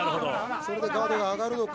それでガードが上がるのか。